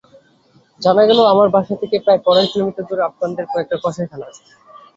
জানা গেল, আমার বাসা থেকে প্রায় পনেরো কিলোমিটার দূরে আফগানদের কয়েকটা কসাইখানা আছে।